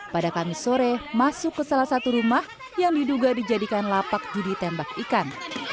pada kamis sore masuk ke salah satu rumah yang diduga dijadikan lapak judi tembak ikan